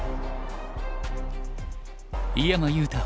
井山裕太